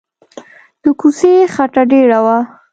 د کوڅې خټه ډېره وه.